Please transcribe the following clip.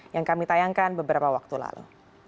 yang kami tayangkan beberapa waktu lalu